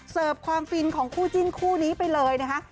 ความฟินของคู่จิ้นคู่นี้ไปเลยนะคะ